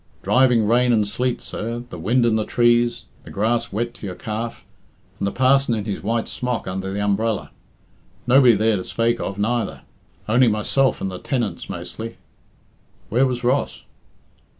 "Driving rain and sleet, sir, the wind in the trees, the grass wet to your calf, and the parson in his white smock under the umbrella. Nobody there to spake of, neither; only myself and the tenants mostly." "Where was Ross?"